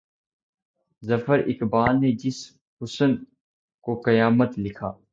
ظفر اقبال نے جس حُسن کو قامت لکھا